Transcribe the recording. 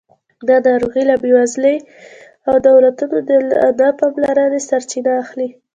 دغه ناروغۍ له بېوزلۍ او دولتونو له نه پاملرنې سرچینه اخلي.